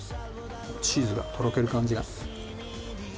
チーズがとろける感じが。